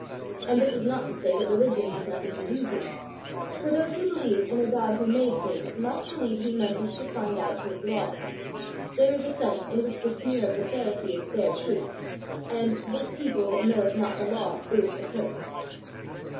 And this is not to say that religion has nothing to do here. For those who believe in a God who made things must believe He meant us to find out His law. There is a sense in which the sneer of the Pharisee is bare truth, and "this people that knoweth not the law is accursed."